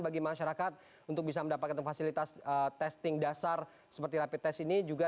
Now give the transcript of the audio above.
bagi masyarakat untuk bisa mendapatkan fasilitas testing dasar seperti rapid test ini juga